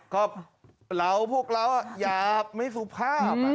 ก็เราพวกเราหยาบไม่สุภาพ